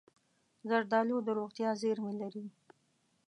زردالو د روغتیا زېرمې لري.